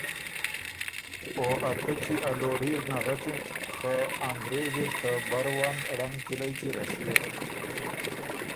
او ا تچی ا لوړي ر نغکِن خه انګرېز اِر ته بروند ړنګ کِلئ کی رسيېک